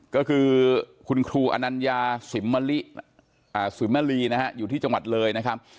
ก็คือคุณครูอนัญญาสิมสิมลีนะฮะอยู่ที่จังหวัดเลยนะครับ